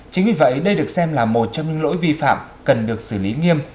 chính vì vậy đây được xem là một trong những lỗi vi phạm cần được xử lý nghiêm